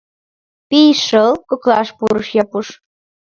— Пий шыл? — коклаш пурыш Япуш.